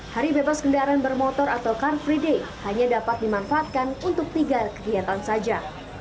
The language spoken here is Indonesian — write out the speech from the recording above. hari bebas kendaraan bermotor atau car free day hanya dapat dimanfaatkan untuk tiga kegiatan saja